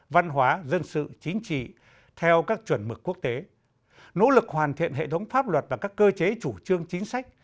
văn hóa dân sự chính trị theo các chuẩn mực quốc tế nỗ lực hoàn thiện hệ thống pháp luật và các cơ chế chủ trương chính sách